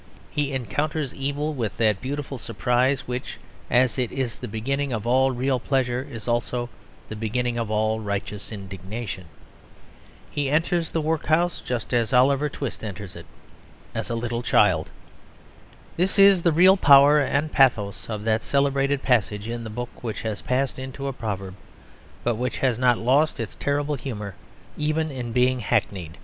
He encounters evil with that beautiful surprise which, as it is the beginning of all real pleasure, is also the beginning of all righteous indignation. He enters the workhouse just as Oliver Twist enters it, as a little child. This is the real power and pathos of that celebrated passage in the book which has passed into a proverb; but which has not lost its terrible humour even in being hackneyed.